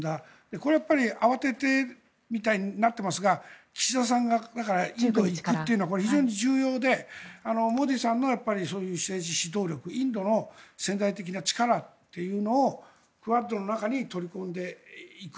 これはやっぱり慌ててみたいになってますが岸田さんがインドに行くというのは非常に重要でモディさんの政治指導力インドの潜在的な力というのをクアッドの中に取り込んでいく。